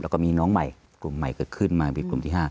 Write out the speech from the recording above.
แล้วก็มีน้องใหม่กลุ่มใหม่เกิดขึ้นมามีกลุ่มที่๕